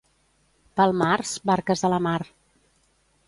Pel març, barques a la mar.